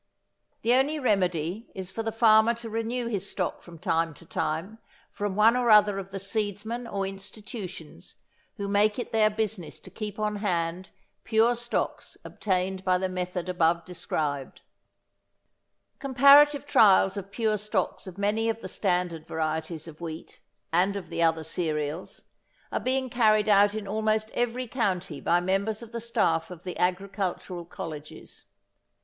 The only remedy is for the farmer to renew his stock from time to time from one or other of the seedsmen or institutions who make it their business to keep on hand pure stocks obtained by the method above described. [Illustration: Fig. 1. Typical ears of a few of the many cultivated varieties of wheat] Comparative trials of pure stocks of many of the standard varieties of wheat, and of the other cereals, are being carried out in almost every county by members of the staff of the agricultural colleges.